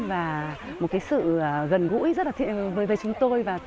và một sự gần gũi rất là thiện với chúng tôi